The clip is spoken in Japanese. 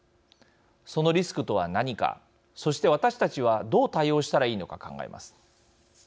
そのリスクとは何かそして私たちはどう対応したらいいのか考えます。